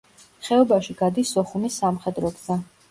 ხეობაში გადის სოხუმის სამხედრო გზა.